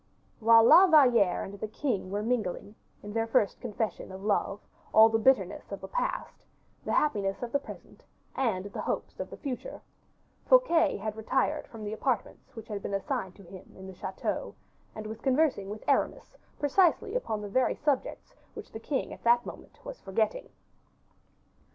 While La Valliere and the king were mingling, in their first confession of love, all the bitterness of the past, the happiness of the present, and hopes of the future, Fouquet had retired to the apartments which had been assigned to him in the chateau, and was conversing with Aramis precisely upon the very subjects which the king at that moment was forgetting.